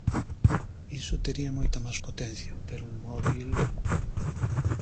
Iso tería moita máis potencia, pero un móbil...